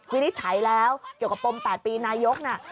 วินิจฉัยแล้วเกี่ยวกับปม๘ปีนายกน่ะ